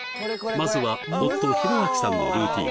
まずは夫・宏彰さんのルーティン